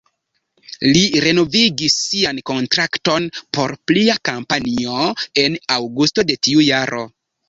Li renovigis sian kontrakton por plia kampanjo en aŭgusto de tiu jaro.